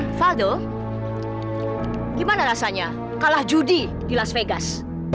faldo gimana rasanya kalah judi di las vegas